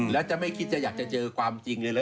แล้วจะไม่คิดจะอยากจะเจอความจริงเลย